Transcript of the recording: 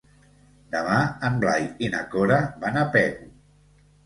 Demà en Blai i na Cora van a Pego.